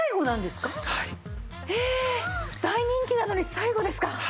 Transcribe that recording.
大人気なのに最後ですか。